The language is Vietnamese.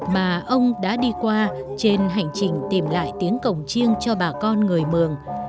mà ông đã đi qua trên hành trình tìm lại tiếng cổng chiêng cho bà con người mường